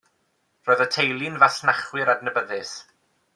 Roedd y teulu'n fasnachwyr adnabyddus.